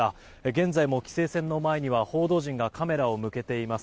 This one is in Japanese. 現在も規制線の前には報道陣がカメラを向けています。